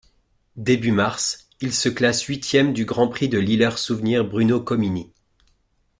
Début mars, il se classe huitième du Grand Prix de Lillers-Souvenir Bruno Comini.